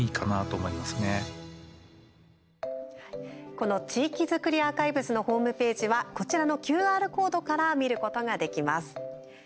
この地域づくりアーカイブスのホームページはこちらのＱＲコードから見ることができます。